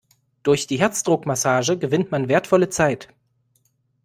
Durch die Herzdruckmassage gewinnt man wertvolle Zeit.